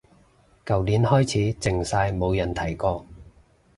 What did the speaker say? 舊年開始靜晒冇人提過